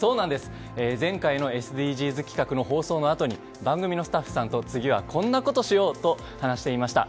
前回のＳＤＧｓ企画の放送のあとに番組のスタッフさんと次はこんなことをしようと話していました。